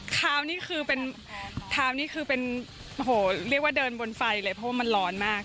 คราวนี้คือเป็นเท้านี่คือเป็นโอ้โหเรียกว่าเดินบนไฟเลยเพราะว่ามันร้อนมาก